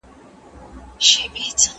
هغه انتقادي روحيه جوړوي.